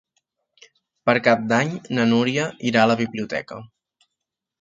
Per Cap d'Any na Núria irà a la biblioteca.